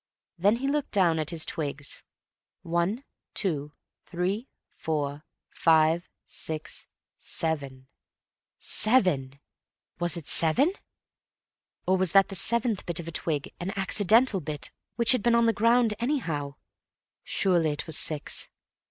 Then he looked down at his twigs. One—two—three—four—five—six—seven. Seven! Was it seven? Or was that seventh bit of a twig an accidental bit which had been on the ground anyhow? Surely it was six!